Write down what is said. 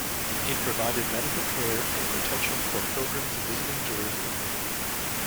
It provided medical care and protection for pilgrims visiting Jerusalem.